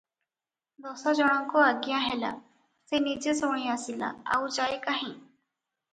ଦଶଜଣଙ୍କୁ ଆଜ୍ଞା ହେଲା, ସେ ନିଜେ ଶୁଣି ଆସିଲା, ଆଉ ଯାଏ କାହିଁ?